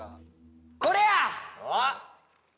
これや！